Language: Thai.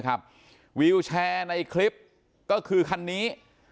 วิวแชร์ในคลิปก็คือคันนี้